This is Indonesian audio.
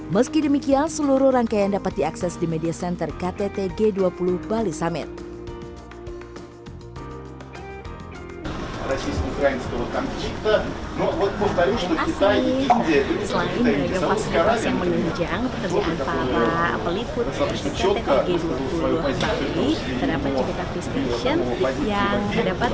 meski demikian seluruh rangkaian dapat diakses di media center ktt g dua puluh bali summit